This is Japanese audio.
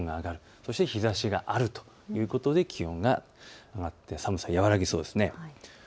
そして日ざしがあるということで気温が上がって寒さは和らぎそうです。